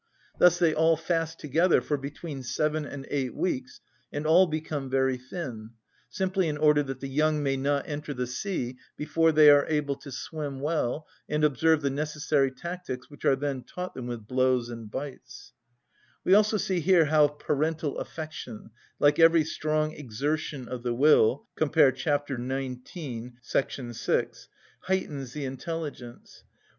Thus they all fast together for between seven and eight weeks, and all become very thin, simply in order that the young may not enter the sea before they are able to swim well and observe the necessary tactics which are then taught them with blows and bites (Freycinet, Voy. aux terres Australes, 1826). We also see here how parental affection, like every strong exertion of the will (cf. chap. xix. 6), heightens the intelligence.